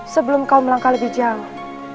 sebelum kau melangkah lebih jauh